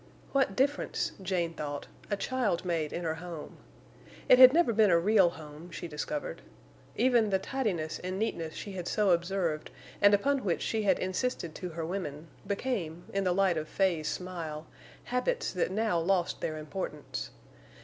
What difference, Jane thought, a child made in her home! It had never been a real home, she discovered. Even the tidiness and neatness she had so observed, and upon which she had insisted to her women, became, in the light of Fay's smile, habits that now lost their importance.